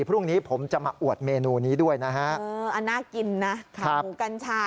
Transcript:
พรุ่งนี้ผมจะมาอวดเมนูนี้ด้วยนะฮะเอออันน่ากินนะขาหมูกัญชา